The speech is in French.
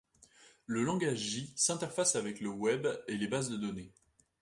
Le langage J s'interface avec le web et les bases de données.